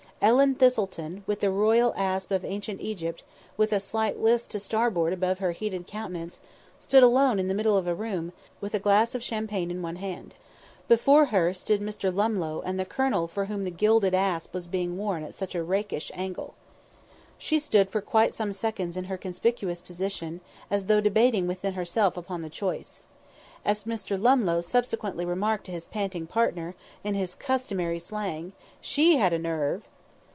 Ellen Thistleton, with the royal asp of ancient Egypt with a slight list to starboard above her heated countenance, stood alone in the middle of the room, with a glass of champagne in one hand. Before her stood Mr. Lumlough and the colonel for whom the gilded asp was being worn at such a rakish angle. She stood for quite some seconds in her conspicuous position, as though debating within herself upon the choice. As Mr. Lumlough subsequently remarked to his panting partner, in his customary slang, "She had a nerve!"